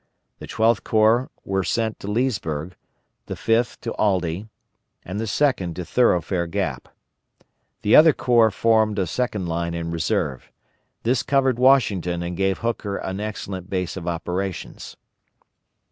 The Twelfth Corps were sent to Leesburg, the Fifth to Aldie, and the Second to Thoroughfare Gap. The other corps formed a second line in reserve. This covered Washington and gave Hooker an excellent base of operations.